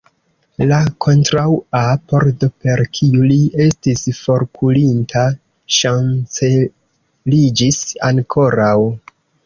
La kontraŭa pordo, per kiu li estis forkurinta, ŝanceliĝis ankoraŭ.